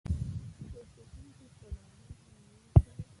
توپ وهونکي په ډاډه زړه لوبه کوي.